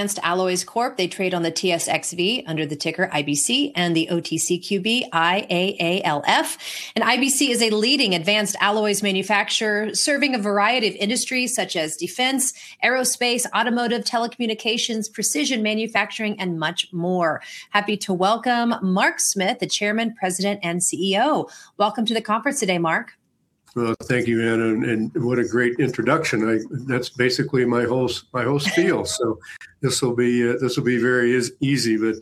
Advanced Alloys Corp, they trade on the TSXV under the ticker IBC and the OTCQB, IAALF. IBC is a leading advanced alloys manufacturer, serving a variety of industries such as defense, aerospace, automotive, telecommunications, precision manufacturing, and much more. Happy to welcome Mark Smith, the Chairman, President, and CEO. Welcome to the conference today, Mark. Thank you, Anna, and what a great introduction. That's basically my whole spiel, so this will be very easy.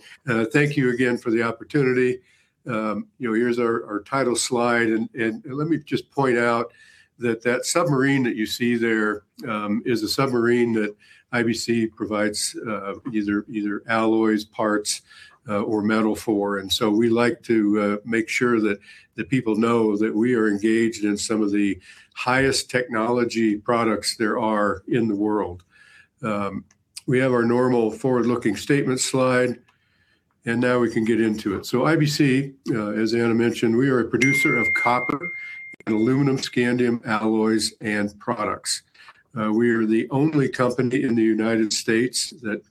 Thank you again for the opportunity. You know, here's our title slide, and let me just point out that that submarine that you see there is a submarine that IBC provides either alloys, parts, or metal for. We like to make sure that the people know that we are engaged in some of the highest technology products there are in the world. We have our normal forward-looking statement slide, and now we can get into it. IBC, as Anna mentioned, we are a producer of copper and aluminum-scandium alloys and products. We are the only company in the United States that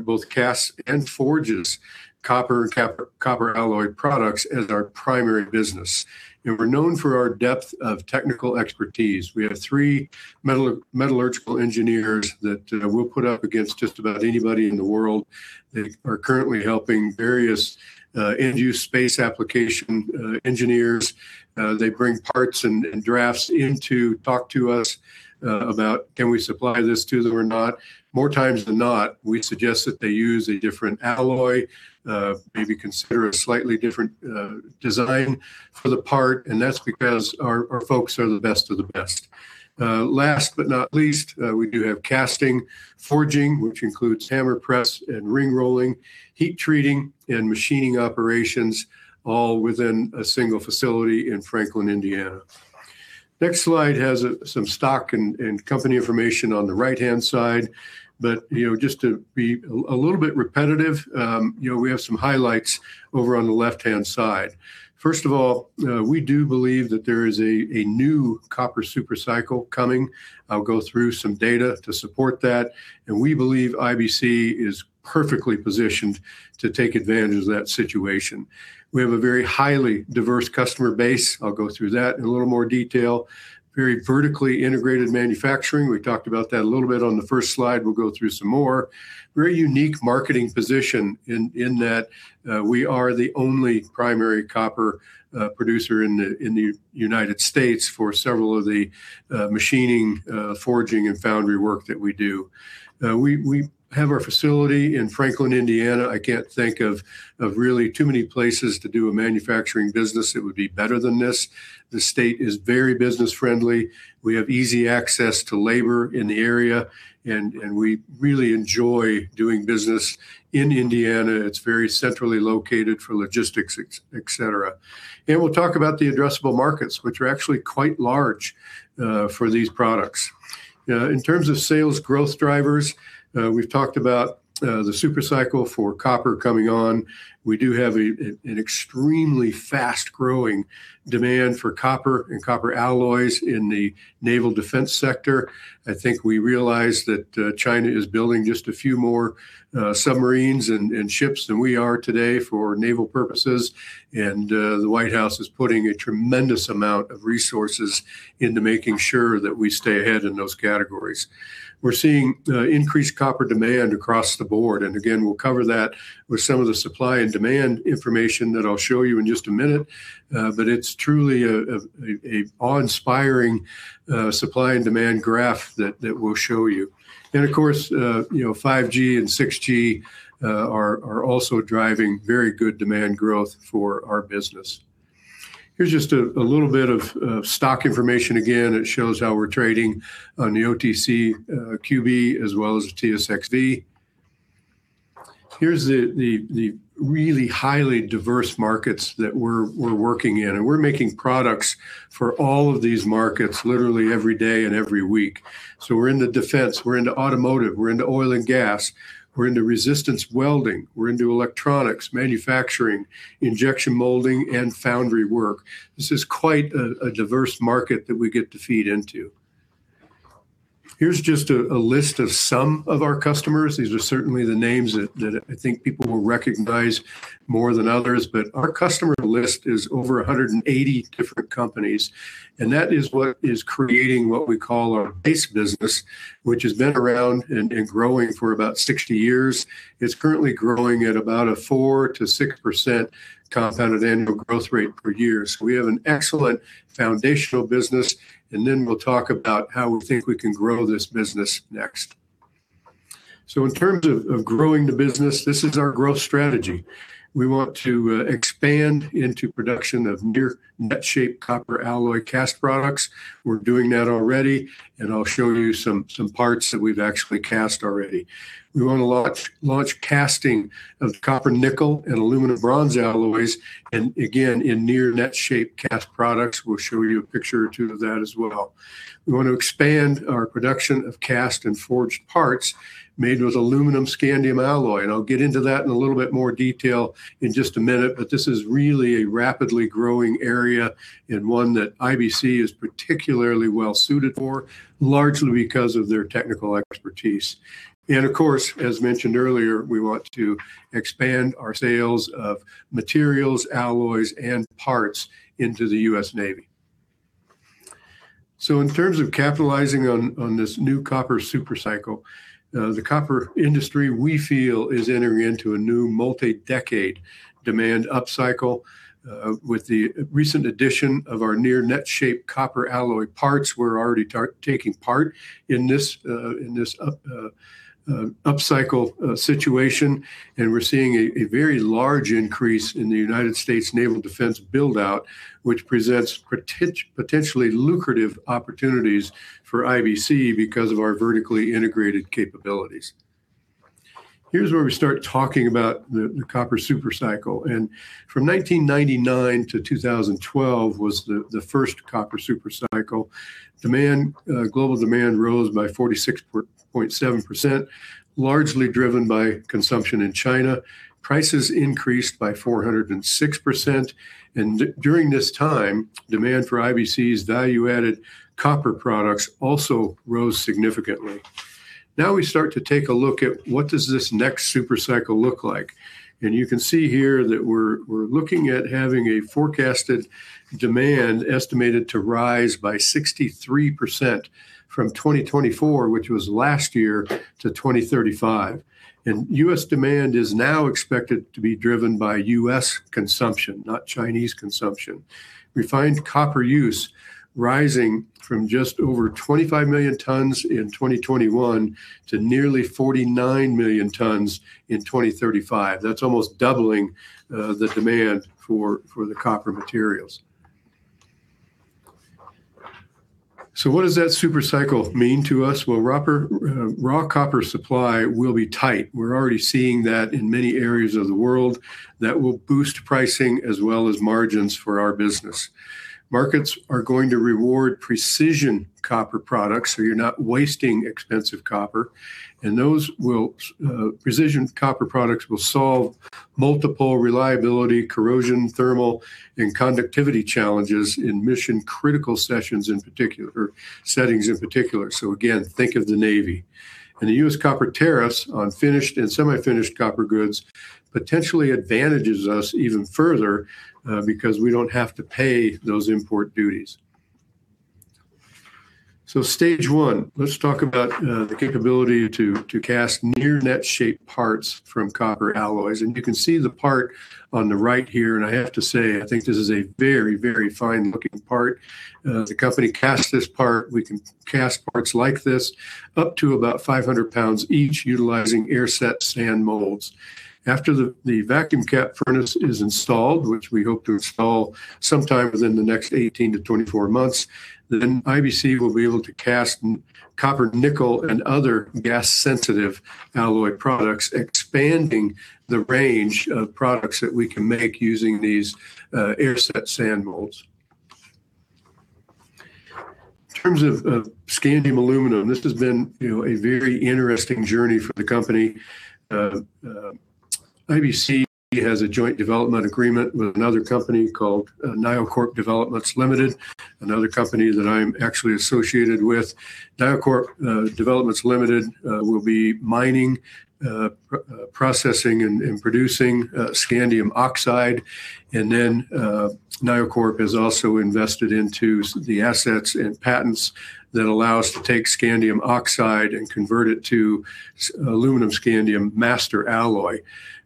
both casts and forges copper alloy products as our primary business. We're known for our depth of technical expertise. We have three metallurgical engineers that we'll put up against just about anybody in the world. They are currently helping various end-use space application engineers. They bring parts and drafts in to talk to us about can we supply this to them or not? More times than not, we suggest that they use a different alloy, maybe consider a slightly different design for the part, that's because our folks are the best of the best. Last but not least, we do have casting, forging, which includes hammer, press, and ring rolling, heat treating, and machining operations, all within a single facility in Franklin, Indiana. Next slide has some stock and company information on the right-hand side. You know, just to be a little bit repetitive, you know, we have some highlights over on the left-hand side. First of all, we do believe that there is a new copper super cycle coming. I'll go through some data to support that, and we believe IBC is perfectly positioned to take advantage of that situation. We have a very highly diverse customer base. I'll go through that in a little more detail. Very vertically integrated manufacturing, we talked about that a little bit on the first slide. We'll go through some more. Very unique marketing position in that we are the only primary copper producer in the United States for several of the machining, forging, and foundry work that we do. We have our facility in Franklin, Indiana. I can't think of really too many places to do a manufacturing business that would be better than this. The state is very business-friendly. We have easy access to labor in the area, and we really enjoy doing business in Indiana. It's very centrally located for logistics, et cetera. We'll talk about the addressable markets, which are actually quite large, for these products. In terms of sales growth drivers, we've talked about the super cycle for copper coming on. We do have an extremely fast-growing demand for copper and copper alloys in the naval defense sector. I think we realize that China is building just a few more submarines and ships than we are today for naval purposes, and the White House is putting a tremendous amount of resources into making sure that we stay ahead in those categories. We're seeing increased copper demand across the board, and again, we'll cover that with some of the supply and demand information that I'll show you in just a minute, but it's truly an awe-inspiring supply and demand graph that we'll show you. Of course, you know, 5G and 6G are also driving very good demand growth for our business. Here's just a little bit of stock information. Again, it shows how we're trading on the OTCQB, as well as the TSXV. Here's the really highly diverse markets that we're working in, and we're making products for all of these markets, literally every day and every week. We're into defense, we're into automotive, we're into oil and gas, we're into resistance welding, we're into electronics, manufacturing, injection molding, and foundry work. This is quite a diverse market that we get to feed into. Here's just a list of some of our customers. These are certainly the names that I think people will recognize more than others, but our customer list is over 180 different companies. That is what is creating what we call our base business, which has been around and growing for about 60 years. It's currently growing at about a 4%-6% compounded annual growth rate per year. We have an excellent foundational business, and then we'll talk about how we think we can grow this business next. In terms of growing the business, this is our growth strategy. We want to expand into production of near-net-shape copper alloy cast products. We're doing that already, and I'll show you some parts that we've actually cast already. We want to launch casting of copper-nickel and aluminum-bronze alloys, and again, in near-net-shape cast products. We'll show you a picture or two of that as well. We want to expand our production of cast and forged parts made with aluminum-scandium alloy, I'll get into that in a little bit more detail in just a minute, but this is really a rapidly growing area and one that IBC is particularly well suited for, largely because of their technical expertise. Of course, as mentioned earlier, we want to expand our sales of materials, alloys, and parts into the US Navy. In terms of capitalizing on this new copper super cycle, the copper industry, we feel, is entering into a new multi-decade demand upcycle. With the recent addition of our near-net-shape copper alloy parts, we're already taking part in this upcycle situation. We're seeing a very large increase in the United States naval defense build-out, which presents potentially lucrative opportunities for IBC because of our vertically integrated capabilities. Here's where we start talking about the copper super cycle. From 1999 to 2012 was the first copper super cycle. Demand global demand rose by 46.7%, largely driven by consumption in China. Prices increased by 406%, during this time, demand for IBC's value-added copper products also rose significantly. Now we start to take a look at what does this next super cycle look like? You can see here that we're looking at having a forecasted demand estimated to rise by 63% from 2024, which was last year, to 2035. U.S. demand is now expected to be driven by U.S. consumption, not Chinese consumption. Refined copper use rising from just over 25 million tons in 2021 to nearly 49 million tons in 2035. That's almost doubling the demand for the copper materials. What does that super cycle mean to us? Well, copper, raw copper supply will be tight. We're already seeing that in many areas of the world. That will boost pricing as well as margins for our business. Markets are going to reward precision copper products, so you're not wasting expensive copper. Precision copper products will solve multiple reliability, corrosion, thermal, and conductivity challenges in mission-critical settings in particular. Again, think of the Navy. The U.S. copper tariffs on finished and semi-finished copper goods potentially advantages us even further, because we don't have to pay those import duties. Stage 1, let's talk about the capability to cast near-net-shape parts from copper alloys. You can see the part on the right here, and I have to say, I think this is a very, very fine-looking part. The company cast this part. We can cast parts like this up to about 500 lbs each, utilizing air-set sand molds. After the vacuum induction furnace is installed, which we hope to install sometime within the next 18-24 months, IBC will be able to cast copper-nickel and other gas-sensitive alloy products, expanding the range of products that we can make using these air-set sand molds. In terms of scandium aluminum, this has been, you know, a very interesting journey for the company. IBC has a joint development agreement with another company called NioCorp Developments Ltd., another company that I'm actually associated with. NioCorp Developments Ltd. will be mining, processing and producing scandium oxide. NioCorp has also invested into the assets and patents that allow us to take scandium oxide and convert it to aluminum-scandium master alloy.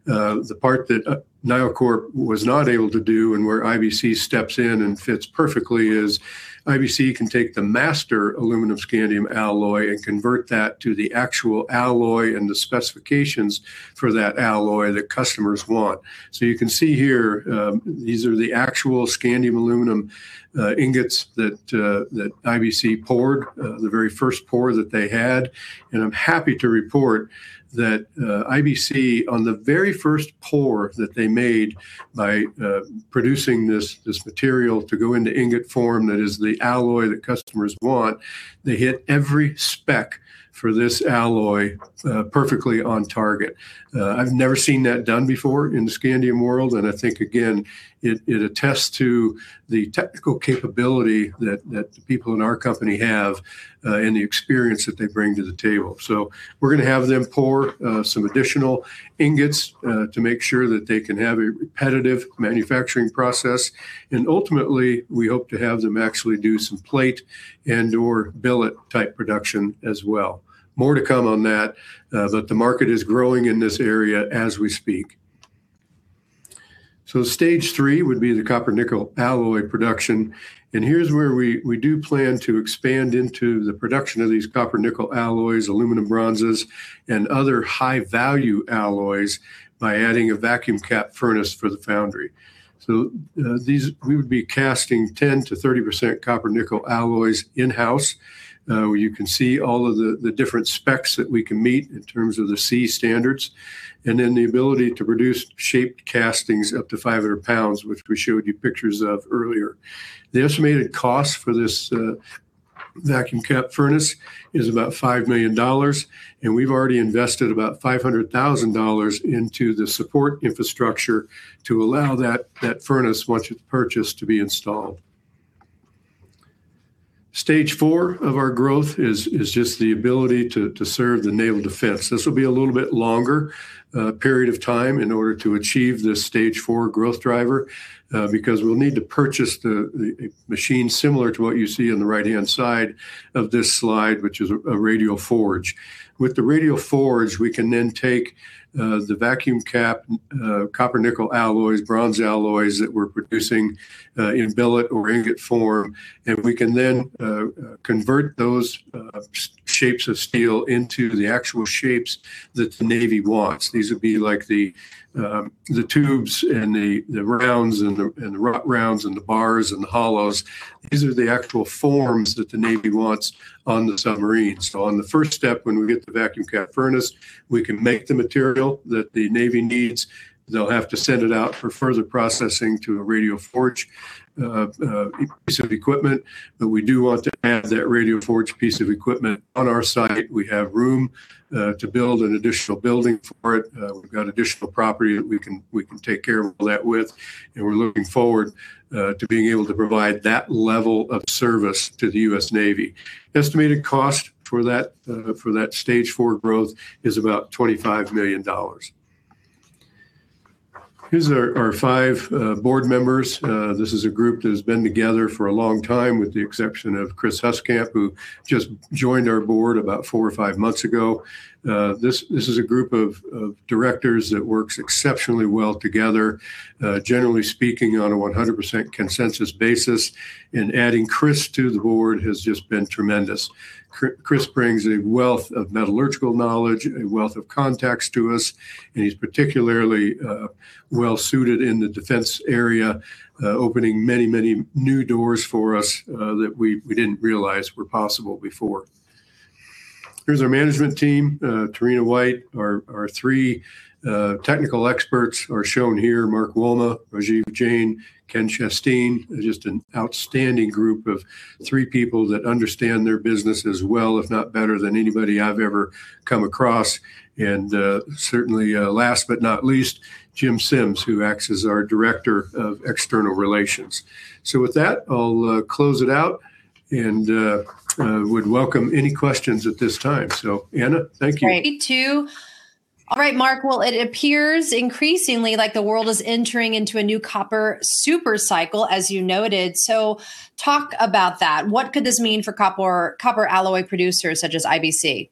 The part that NioCorp was not able to do, and where IBC steps in and fits perfectly, is IBC can take the master aluminum-scandium alloy and convert that to the actual alloy and the specifications for that alloy that customers want. You can see here, these are the actual scandium Aluminum ingots that IBC poured, the very first pour that they had. I'm happy to report that IBC, on the very first pour that they made by producing this material to go into ingot form, that is the alloy that customers want, they hit every spec for this alloy perfectly on target. I've never seen that done before in the scandium world, and I think, again, it attests to the technical capability that the people in our company have and the experience that they bring to the table. We're gonna have them pour some additional ingots to make sure that they can have a repetitive manufacturing process, and ultimately, we hope to have them actually do some plate and/or billet type production as well. More to come on that, but the market is growing in this area as we speak. Stage three would be the copper-nickel alloy production, and here's where we do plan to expand into the production of these copper-nickel alloys, aluminum bronzes, and other high-value alloys by adding a vacuum induction furnace for the foundry. These, we would be casting 10%-30% copper-nickel alloys in-house. You can see all of the different specs that we can meet in terms of the SAE standards, and then the ability to produce shaped castings up to 500 pounds, which we showed you pictures of earlier. The estimated cost for this vacuum induction furnace is about $5 million, and we've already invested about $500,000 into the support infrastructure to allow that furnace, once it's purchased, to be installed. Stage 4 of our growth is just the ability to serve the naval defense. This will be a little bit longer period of time in order to achieve this stage 4 growth driver. Because we'll need to purchase the machine similar to what you see on the right-hand side of this slide, which is a radial forge. With the radial forge, we can then take the vacuum cap, copper-nickel alloys, bronze alloys that we're producing in billet or ingot form, and we can then convert those shapes of steel into the actual shapes that the Navy wants. These would be like the tubes, and the rounds, and the bars, and the hollows. These are the actual forms that the Navy wants on the submarines. On the first step, when we get the vacuum induction furnace, we can make the material that the Navy needs. They'll have to send it out for further processing to a radial forge piece of equipment, but we do want to have that radial forge piece of equipment on our site. We have room to build an additional building for it. We've got additional property that we can take care of all that with, and we're looking forward to being able to provide that level of service to the US Navy. Estimated cost for that, for that stage four growth is about $25 million. Here's our 5 board members. This is a group that has been together for a long time, with the exception of Chris Huskamp, who just joined our board about 4 or 5 months ago. This is a group of directors that works exceptionally well together, generally speaking, on a 100% consensus basis. Adding Chris to the board has just been tremendous. Chris brings a wealth of metallurgical knowledge, a wealth of contacts to us, and he's particularly well-suited in the defense area, opening many new doors for us that we didn't realize were possible before. Here's our management team. Terina White. Our three technical experts are shown here, Mark Wolma, Rajiv Jain, Ken Shasteen, just an outstanding group of three people that understand their business as well, if not better, than anybody I've ever come across. Certainly, last but not least, Jim Sims, who acts as our director of external relations. With that, I'll close it out and would welcome any questions at this time. Anna, thank you. Great, me, too. All right, Mark, well, it appears increasingly like the world is entering into a new copper super cycle, as you noted. Talk about that. What could this mean for copper alloy producers such as IBC?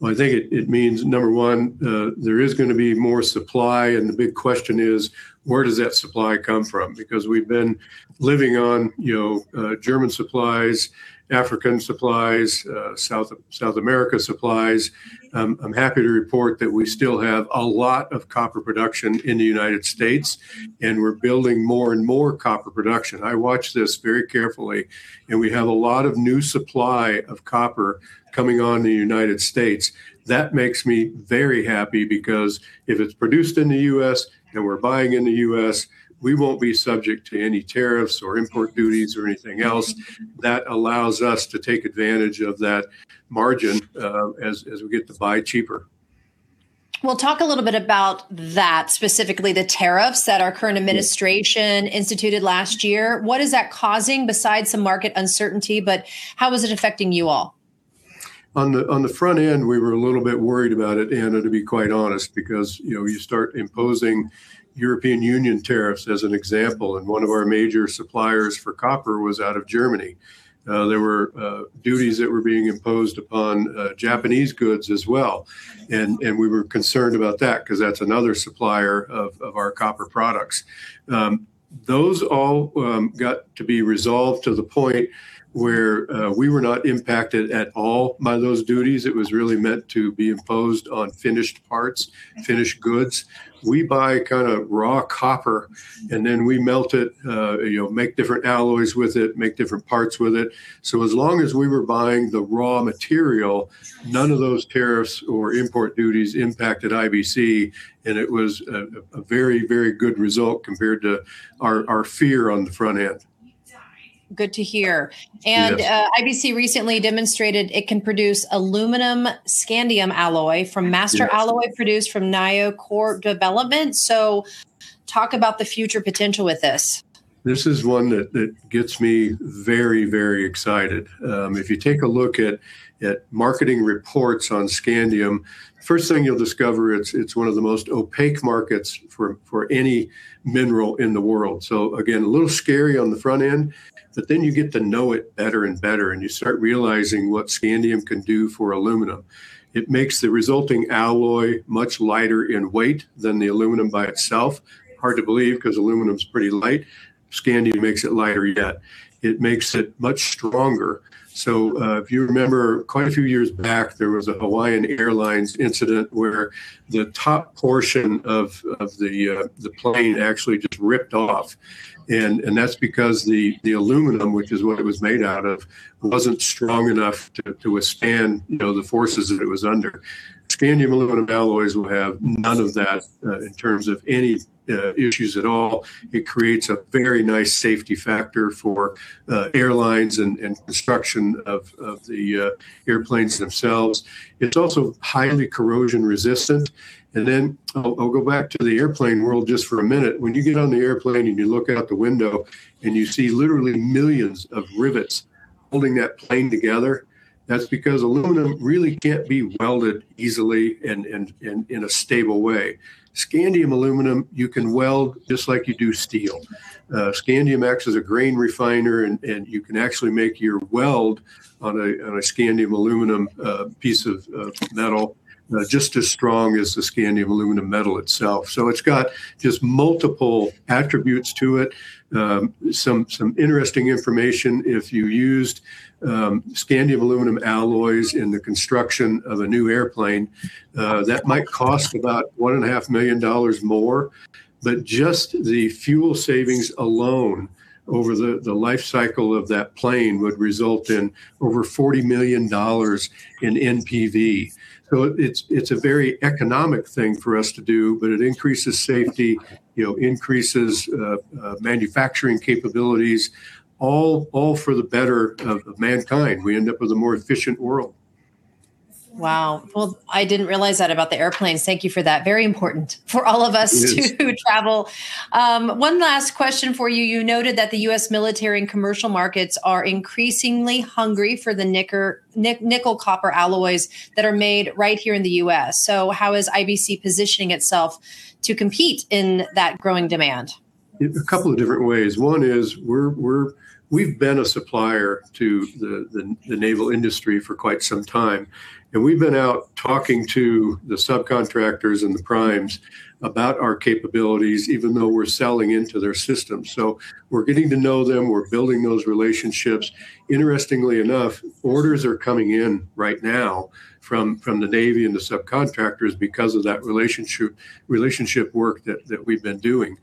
Well, I think it means, number one, there is gonna be more supply, and the big question is, where does that supply come from? Because we've been living on, you know, German supplies, African supplies, South America supplies. I'm happy to report that we still have a lot of copper production in the United States, and we're building more and more copper production. I watch this very carefully, and we have a lot of new supply of copper coming on in the United States. That makes me very happy because if it's produced in the U.S., and we're buying in the U.S., we won't be subject to any tariffs, or import duties, or anything else. That allows us to take advantage of that margin, as we get to buy cheaper. Well, talk a little bit about that, specifically the tariffs that our current. Yeah... administration instituted last year. What is that causing besides some market uncertainty, but how is it affecting you all? On the front end, we were a little bit worried about it, Anna, to be quite honest, because, you know, you start imposing European Union tariffs, as an example, and one of our major suppliers for copper was out of Germany. There were duties that were being imposed upon Japanese goods as well, and we were concerned about that, 'cause that's another supplier of our copper products. Those all got to be resolved to the point where we were not impacted at all by those duties. It was really meant to be imposed on finished parts, finished goods. We buy kind of raw copper, and then we melt it, you know, make different alloys with it, make different parts with it. As long as we were buying the raw material, none of those tariffs or import duties impacted IBC, and it was a very, very good result compared to our fear on the front end. Good to hear. Yes. IBC recently demonstrated it can produce aluminum-scandium alloy. Yes... master alloy produced from NioCorp development, talk about the future potential with this. This is one that gets me very, very excited. If you take a look at marketing reports on scandium, first thing you'll discover, it's one of the most opaque markets for any mineral in the world. Again, a little scary on the front end, you get to know it better and better, and you start realizing what scandium can do for aluminum. It makes the resulting alloy much lighter in weight than the aluminum by itself. Hard to believe, 'cause aluminum's pretty light. Scandium makes it lighter yet. It makes it much stronger. If you remember, quite a few years back, there was a Aloha Airlines incident where the top portion of the plane actually just ripped off, and that's because the aluminum, which is what it was made out of, wasn't strong enough to withstand, you know, the forces that it was under. Scandium aluminum alloys will have none of that in terms of any issues at all. It creates a very nice safety factor for airlines and construction of the airplanes themselves. It's also highly corrosion resistant. Then I'll go back to the airplane world just for a minute. When you get on the airplane, and you look out the window, and you see literally millions of rivets... holding that plane together, that's because aluminum really can't be welded easily and in a stable way. Scandium aluminum, you can weld just like you do steel. Scandium acts as a grain refiner, and you can actually make your weld on a scandium aluminum piece of metal just as strong as the scandium aluminum metal itself. It's got just multiple attributes to it. Some interesting information, if you used scandium aluminum alloys in the construction of a new airplane, that might cost about one and a half million dollars more, but just the fuel savings alone over the life cycle of that plane would result in over $40 million in NPV. It's a very economic thing for us to do, but it increases safety, you know, increases manufacturing capabilities, all for the better of mankind. We end up with a more efficient world. Wow! Well, I didn't realize that about the airplanes. Thank you for that. Very important for all of us- It is. -to travel. One last question for you. You noted that the U.S. military and commercial markets are increasingly hungry for the nickel copper alloys that are made right here in the U.S., how is IBC positioning itself to compete in that growing demand? In a couple of different ways. One is, we've been a supplier to the naval industry for quite some time, we've been out talking to the subcontractors and the primes about our capabilities, even though we're selling into their system. We're getting to know them, we're building those relationships. Interestingly enough, orders are coming in right now from the Navy and the subcontractors because of that relationship work that we've been doing.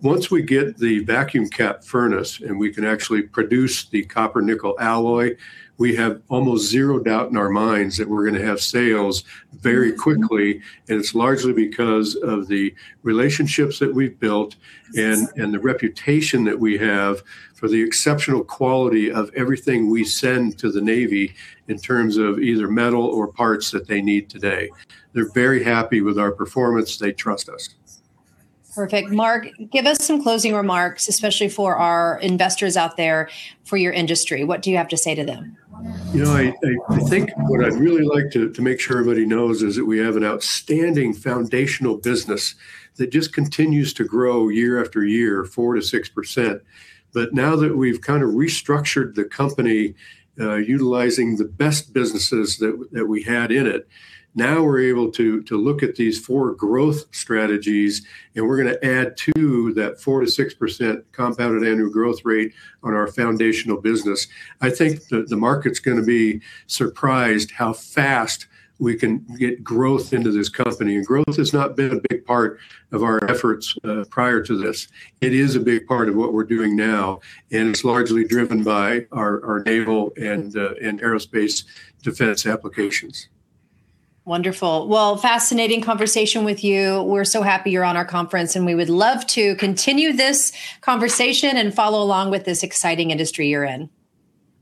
Once we get the vacuum induction furnace, and we can actually produce the copper-nickel alloy, we have almost zero doubt in our minds that we're gonna have sales very quickly. It's largely because of the relationships that we've built and the reputation that we have for the exceptional quality of everything we send to the Navy in terms of either metal or parts that they need today. They're very happy with our performance. They trust us. Perfect. Mark, give us some closing remarks, especially for our investors out there, for your industry. What do you have to say to them? You know, I think what I'd really like to make sure everybody knows is that we have an outstanding foundational business that just continues to grow year after year, 4%-6%. Now that we've kind of restructured the company, utilizing the best businesses that we had in it, now we're able to look at these four growth strategies, we're gonna add to that 4%-6% compounded annual growth rate on our foundational business. I think that the market's gonna be surprised how fast we can get growth into this company, growth has not been a big part of our efforts prior to this. It is a big part of what we're doing now, it's largely driven by our naval and aerospace defense applications. Wonderful. Well, fascinating conversation with you. We're so happy you're on our conference, and we would love to continue this conversation and follow along with this exciting industry you're in.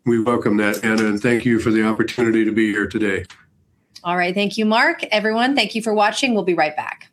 We welcome that, Anna, and thank you for the opportunity to be here today. All right. Thank you, Mark. Everyone, thank you for watching. We'll be right back.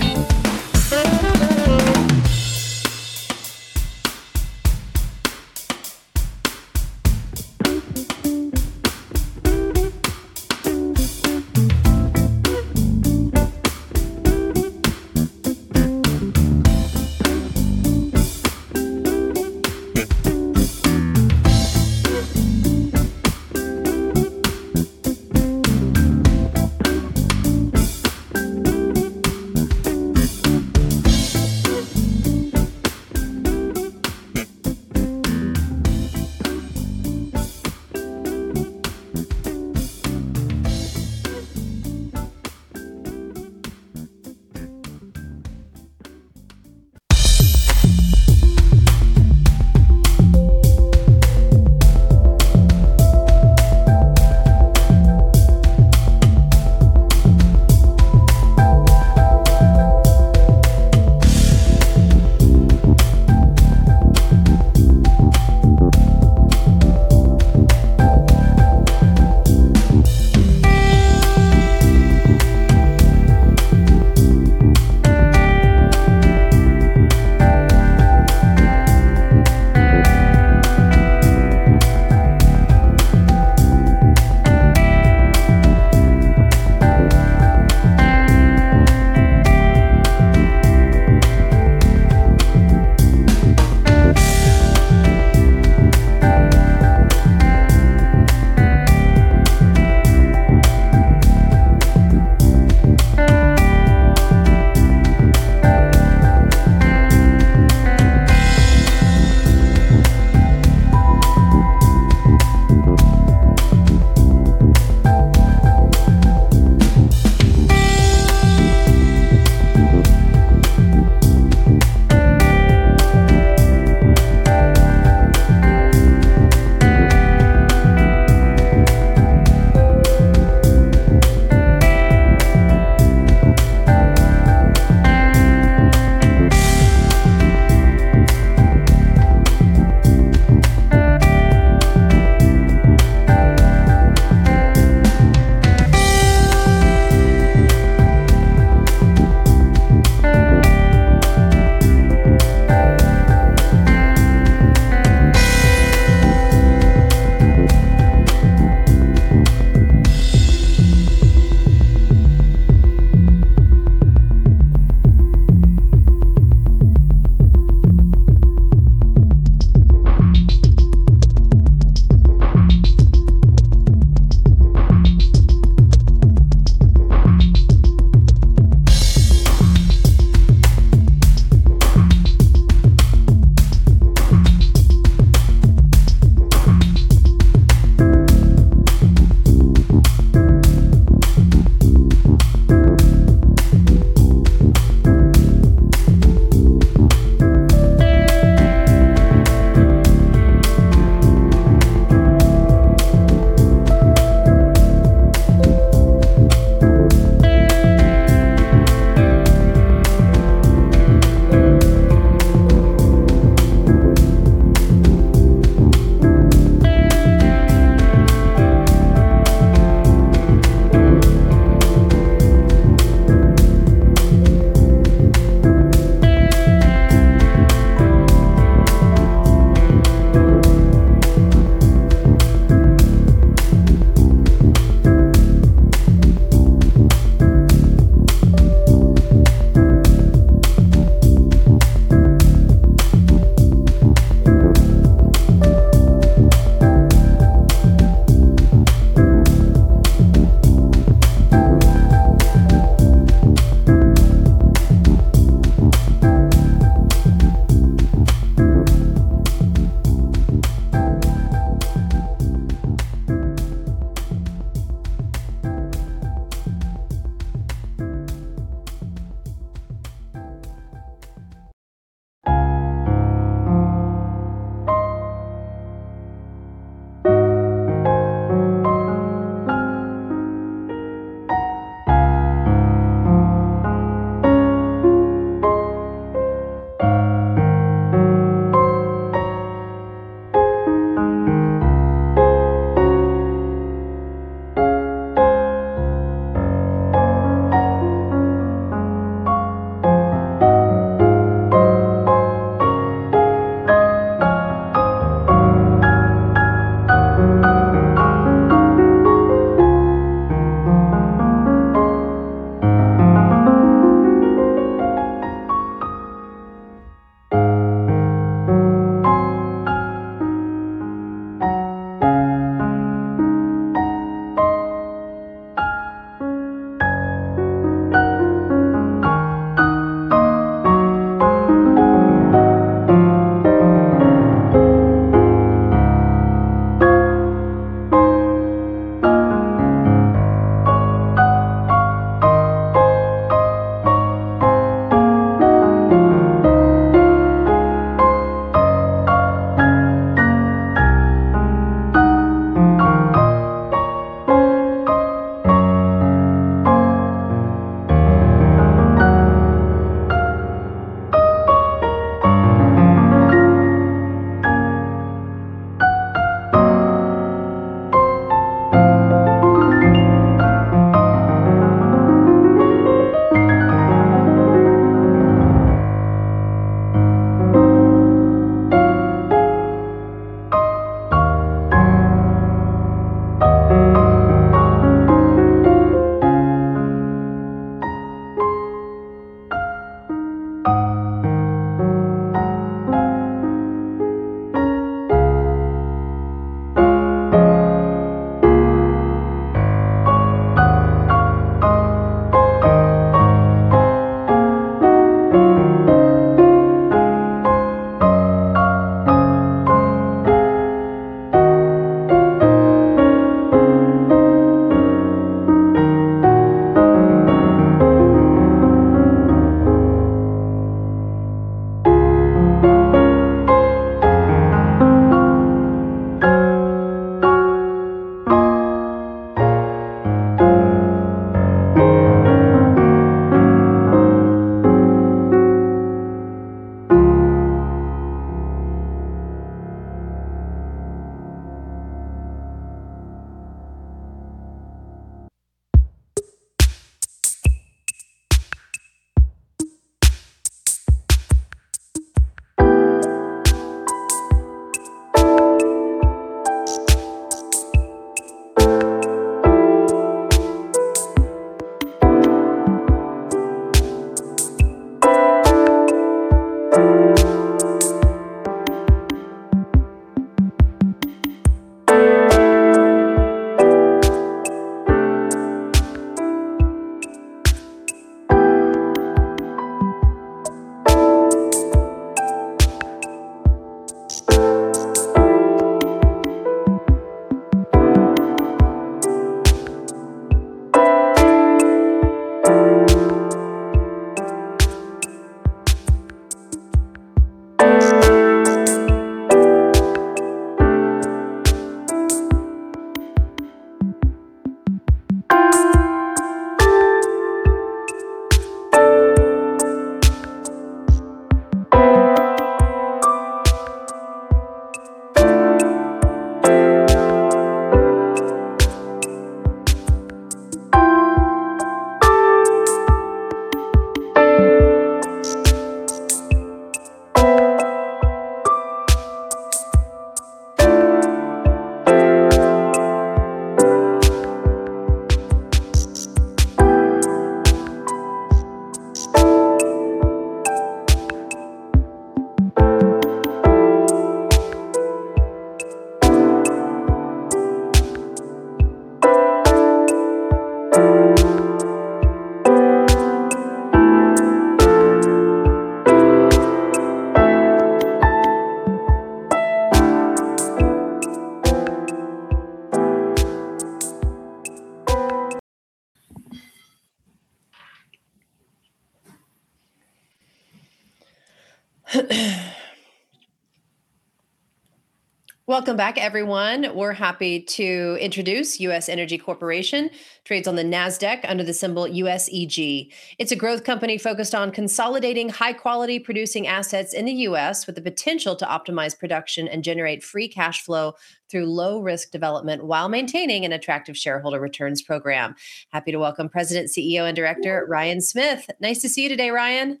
Welcome back, everyone. We're happy to introduce U.S. Energy Corp., trades on the NASDAQ under the symbol USEG. It's a growth company focused on consolidating high-quality producing assets in the U.S., with the potential to optimize production and generate free cash flow through low-risk development, while maintaining an attractive shareholder returns program. Happy to welcome President, CEO, and Director, Ryan Smith. Nice to see you today, Ryan.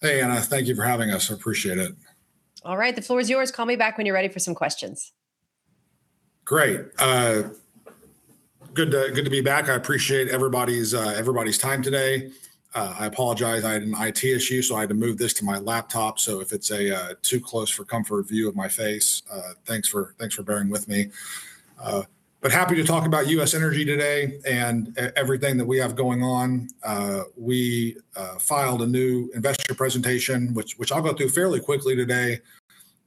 Hey, Anna. Thank you for having us. I appreciate it. All right, the floor is yours. Call me back when you're ready for some questions. Great. good to be back. I appreciate everybody's time today. I apologize, I had an IT issue, so I had to move this to my laptop. If it's a too close for comfort view of my face, thanks for bearing with me. Happy to talk about U.S. Energy today and everything that we have going on. We filed a new investor presentation, which I'll go through fairly quickly today.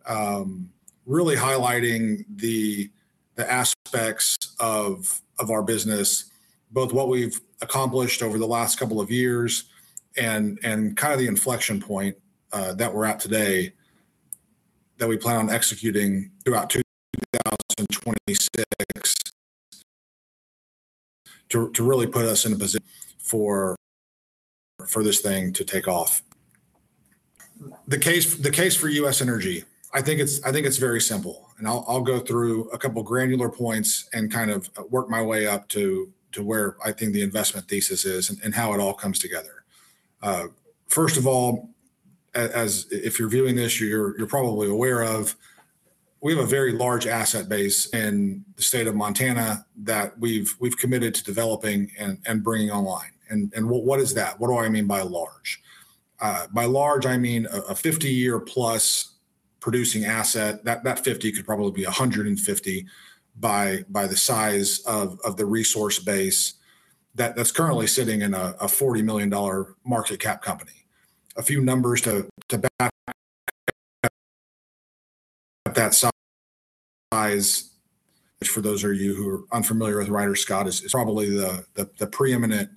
Really highlighting the aspects of our business, both what we've accomplished over the last couple of years and kind of the inflection point that we're at today, that we plan on executing throughout 2026, to really put us in a position for this thing to take off. The case for U.S. Energy, I think it's very simple, and I'll go through a couple of granular points and kind of work my way up to where I think the investment thesis is and how it all comes together. First of all, as if you're viewing this, you're probably aware of, we have a very large asset base in the state of Montana that we've committed to developing and bringing online. What is that? What do I mean by large? By large, I mean a 50-year plus producing asset. That 50 could probably be 150 by the size of the resource base that's currently sitting in a $40 million market cap company. A few numbers to back up that size, which for those of you who are unfamiliar with Ryder Scott, is probably the preeminent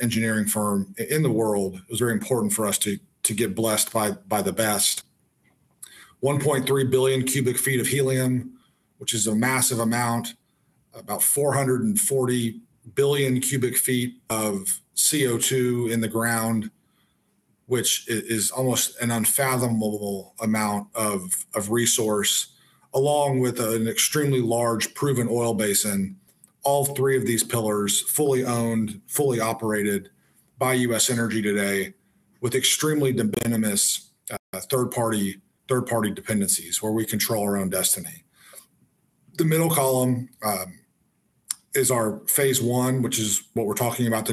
engineering firm in the world. It was very important for us to get blessed by the best. 1.3 billion cubic feet of helium, which is a massive amount, about 440 billion cubic feet of CO2 in the ground, which is almost an unfathomable amount of resource, along with an extremely large proven oil basin. All three of these pillars, fully owned, fully operated by U.S. Energy today, with extremely de minimis third-party dependencies, where we control our own destiny. The middle column is our phase one, which is what we're talking about today.